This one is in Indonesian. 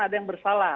ada yang bersalah